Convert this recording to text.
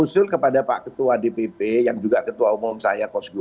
usul kepada pak ketua dpp yang juga ketua umum saya